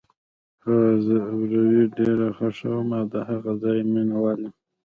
هو، زه ابروزي ډېره خوښوم او د هغه ځای مینه وال یم.